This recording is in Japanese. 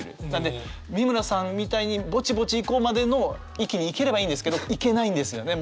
美村さんみたいに「ぼちぼち行こう」までの域に行ければいいんですけど行けないんですよね。